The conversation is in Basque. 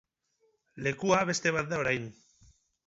Lekua beste bat da orain.